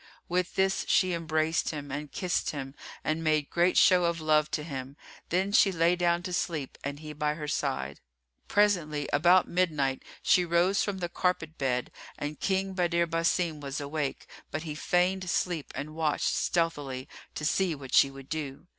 With this she embraced him and kissed him and made great show of love to him; then she lay down to sleep and he by her side. Presently about midnight she rose from the carpet bed and King Badr Basim was awake; but he feigned sleep and watched stealthily to see what she would do.